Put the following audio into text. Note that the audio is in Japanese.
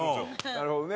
なるほどね。